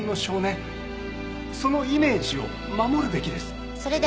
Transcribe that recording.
そのイメージを守るべきです。